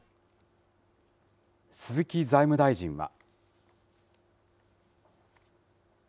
鈴木財務大臣は。